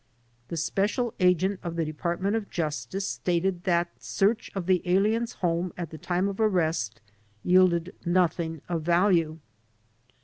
The special agent of the Department of Justice stated that search of the alien's home at the time of arrest yielded nothing of value.